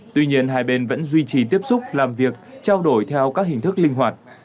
tuy nhiên hai bên vẫn duy trì tiếp xúc làm việc trao đổi theo các hình thức linh hoạt